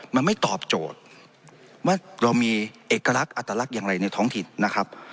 มันไม่ตอบโจทย์ว่าเรามีเอกลักษณ์อัตลักษณ์อย่างไรในท้องถิ่นนะครับ